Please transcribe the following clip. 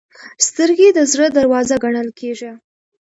سترګې د زړه دروازه ګڼل کېږي